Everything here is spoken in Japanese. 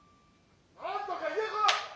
なんとか言えコラ！」。